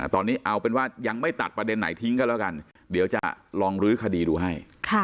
ตอนนี้เอาเป็นว่ายังไม่ตัดประเด็นไหนทิ้งก็แล้วกันเดี๋ยวจะลองรื้อคดีดูให้